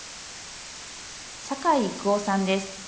酒井郁雄さんです。